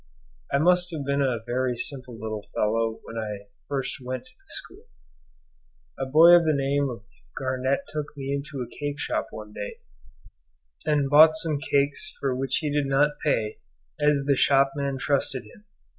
I must have been a very simple little fellow when I first went to the school. A boy of the name of Garnett took me into a cake shop one day, and bought some cakes for which he did not pay, as the shopman trusted him.